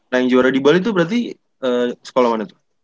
nah yang juara dbl itu berarti sekolah mana tuh